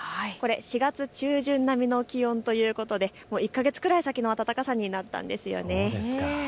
これ、４月中旬並みの気温ということで１か月くらい先の暖かさになったんです。